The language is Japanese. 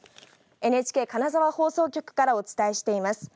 ＮＨＫ金沢放送局からお伝えしています。